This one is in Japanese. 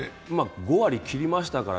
５割を切りましたから。